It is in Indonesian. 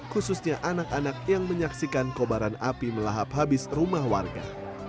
khususnya anak anak yang menyaksikan kobaran api melahap habis rumah warga